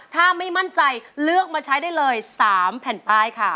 ถ้าไม่มั่นใจเลือกมาใช้ได้เลย๓แผ่นป้ายค่ะ